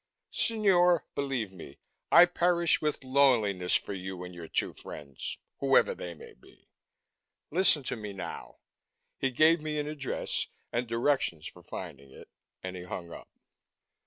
Signore, believe me, I perish with loneliness for you and your two friends, whoever they may be. Listen to me, now." He gave me an address and directions for finding it. And he hung up.